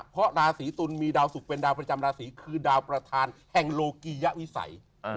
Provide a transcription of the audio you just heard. เพราะราศีตุลมีดาวสุกเป็นดาวประจำราศีคือดาวประธานแห่งโลกิยวิสัย